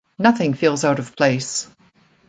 Nothing feels out of place.